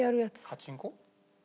カチンコ？